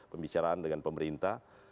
pembicaraan dengan pemerintah